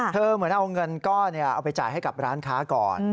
เหมือนเอาเงินก้อนเอาไปจ่ายให้กับร้านค้าก่อน